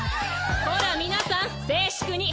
こら皆さん静粛に。